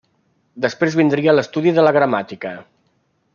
Després vindria l'estudi de la gramàtica.